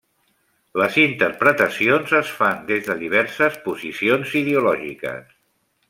Les interpretacions es fan des de diverses posicions ideològiques.